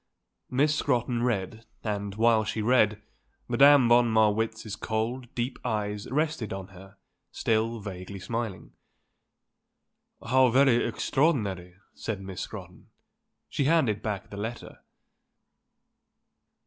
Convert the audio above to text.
Miss Scrotton read, and, while she read, Madame von Marwitz's cold, deep eyes rested on her, still vaguely smiling. "How very extraordinary," said Miss Scrotton. She handed back the letter.